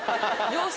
様子